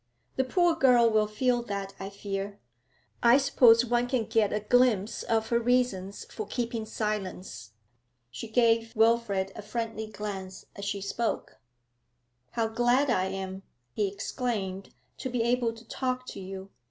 The poor girl will feel that, I fear. I suppose one can get a glimpse of her reasons for keeping silence?' She gave Wilfrid a friendly glance as she spoke. 'How glad I am,' he exclaimed, 'to be able to talk to you!